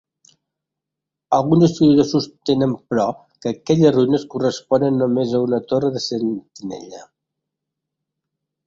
Alguns historiadors sostenen però que aquestes ruïnes corresponen només a una torre de sentinella.